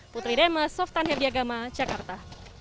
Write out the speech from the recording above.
putri demes softan herdiagama jakarta